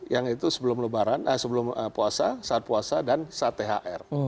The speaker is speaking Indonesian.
yang itu sebelum lebaran sebelum puasa saat puasa dan saat thr